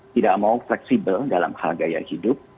tidak mau fleksibel dalam hal gaya hidup